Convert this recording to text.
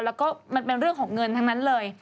แล้วก็มันเป็นเรื่องของเงินทั้งนั้นเลย